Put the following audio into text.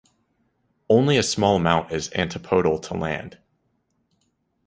Only a small amount is antipodal to land.